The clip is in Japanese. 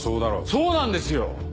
そうなんですよ！